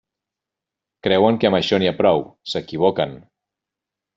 Creuen que amb això n'hi ha prou; s'equivoquen.